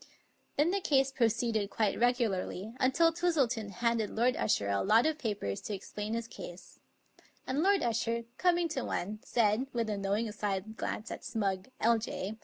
Then the case proceeded quite regularly, until Twistleton handed Lord Usher a lot of papers to explain his case; and Lord Usher, coming to one, said, with a knowing side glance at Smugg, L.J.